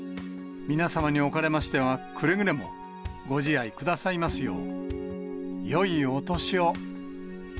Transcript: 皆様におかれましては、くれぐれもご自愛くださいますよう。